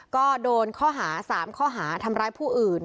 ก็โดนข้อหา๓ข้อหาทำร้ายผู้อื่น